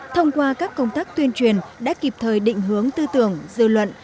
thông qua các công tác tuyên truyền đã kịp thời định hướng tư tưởng dư luận